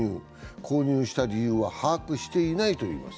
購入した理由は把握していないといいます。